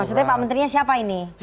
maksudnya pak menterinya siapa ini